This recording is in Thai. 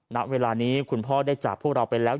ณเวลานี้คุณพ่อได้จากพวกเราไปแล้ว